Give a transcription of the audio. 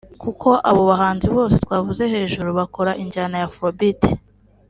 kuko abo bahanzi bose twavuze hejuru bakora injyana ya Afrobeat